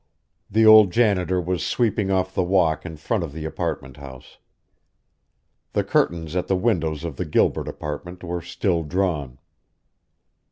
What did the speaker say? The old janitor was sweeping off the walk in front of the apartment house. The curtains at the windows of the Gilbert apartment were still down.